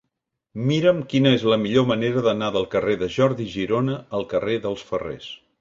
Mira'm quina és la millor manera d'anar del carrer de Jordi Girona al carrer dels Ferrers.